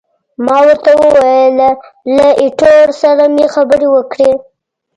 ما ورته وویل، له ایټور سره مې خبرې وکړې.